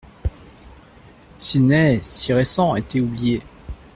Sidney, si récent, était oublié.